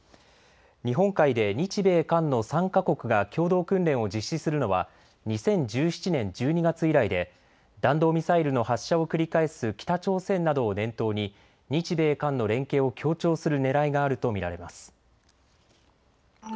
日本海で日米韓の３か国が共同訓練を実施するのは２０１７年１２月以来で弾道ミサイルの発射を繰り返す北朝鮮などを念頭に日米韓の連携を強調するねらいがあると見られます。